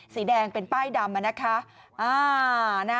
สีแดงเป็นป้ายดำนะคะ